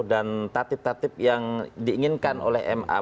dan tatib tatib yang diinginkan oleh ma